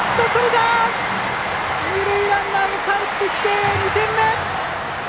二塁ランナー、かえってきて２点目！